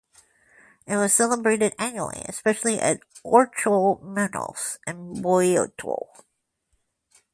It was celebrated annually, especially at Orchomenus in Boeotia.